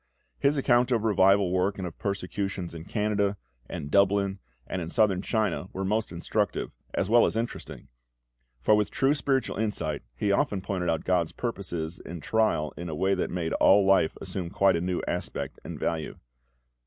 His accounts of revival work and of persecutions in Canada, and Dublin, and in Southern China were most instructive, as well as interesting; for with true spiritual insight he often pointed out GOD's purposes in trial in a way that made all life assume quite a new aspect and value.